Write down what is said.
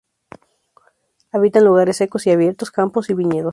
Habita en lugares secos y abiertos, campos y viñedos.